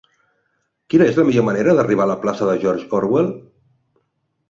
Quina és la millor manera d'arribar a la plaça de George Orwell?